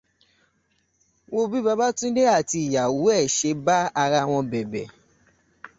Wo bí Babátúndé àti ìyàwó ẹ̀ ṣe bá ara wọn bẹ̀bẹ̀